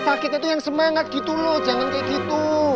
fakitnya yang semangat gitu lo jangan kaya gitu